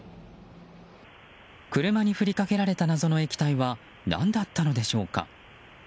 車に振りかけられた謎の液体は何だったのでしょうか？